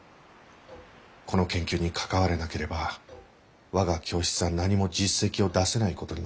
この研究に関われなければ我が教室は何も実績を出せないことになる。